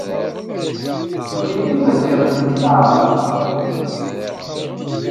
Nekkni d Imaziɣen mačči d Aɛraben!